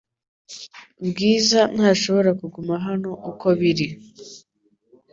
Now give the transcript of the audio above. Bwiza ntashobora kuguma hano uko biri